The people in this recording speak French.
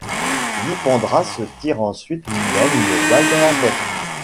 Dipendra se tire ensuite lui-même une balle dans la tête.